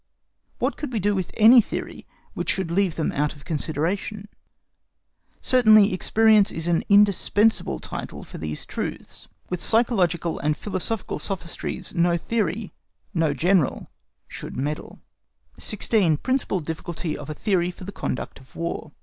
What could we do with any theory which should leave them out of consideration? Certainly experience is an indispensable title for these truths. With psychological and philosophical sophistries no theory, no General, should meddle. 16. PRINCIPAL DIFFICULTY OF A THEORY FOR THE CONDUCT OF WAR.